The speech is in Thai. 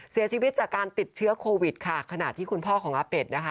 เสียชีวิตจากการติดเชื้อโควิดค่ะขณะที่คุณพ่อของอาเป็ดนะคะ